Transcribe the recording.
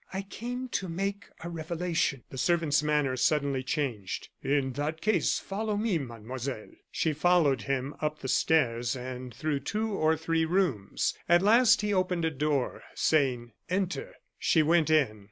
"I came to make a revelation." The servant's manner suddenly changed. "In that case follow me, Mademoiselle." She followed him up the stairs and through two or three rooms. At last he opened a door, saying, "enter." She went in.